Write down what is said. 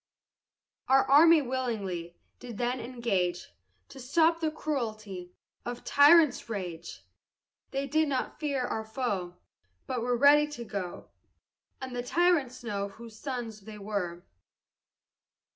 Our army willingly Did then engage, To stop the cruelty Of tyrants' rage! They did not fear our foe, But ready were to go, And let the tyrants know Whose sons they were.